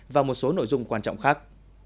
và một số nội dung quan trọng khác